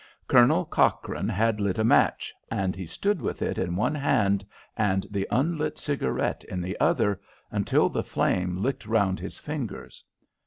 Colonel Cochrane had lit a match, and he stood with it in one hand and the unlit cigarette in the other until the flame licked round his fingers.